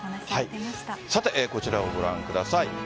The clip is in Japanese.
さて、こちらをご覧ください。